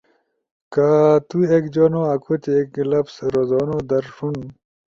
کہ تو ایک جنو اکو تی ایک ایک لفظ رزونو در ݜون،